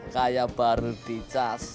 kayak baru dicas